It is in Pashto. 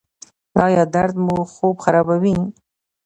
ایا درد مو خوب خرابوي؟